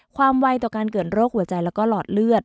ไวต่อการเกิดโรคหัวใจแล้วก็หลอดเลือด